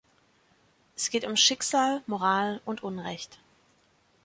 Es geht um Schicksal, Moral und Unrecht.